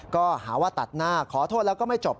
ก็หาว่าตัดหน้าขอโทษแล้วก็ไม่จบ